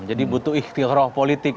jadi butuh ikhtiarah politik